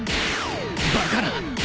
バカな